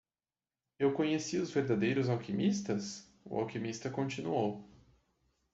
"Eu conheci os verdadeiros alquimistas?" o alquimista continuou.